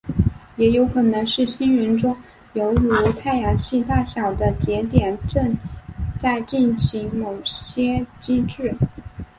也有可能是星云中有如太阳系大小的节点正在进行某些机制。